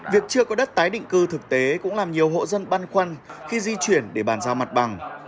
việc chưa có đất tái định cư thực tế cũng làm nhiều hộ dân băn khoăn khi di chuyển để bàn giao mặt bằng